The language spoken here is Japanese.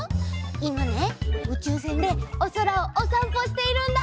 いまねうちゅうせんでおそらをおさんぽしているんだ！